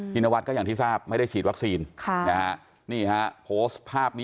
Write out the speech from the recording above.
นวัดก็อย่างที่ทราบไม่ได้ฉีดวัคซีนนี่ฮะโพสต์ภาพนี้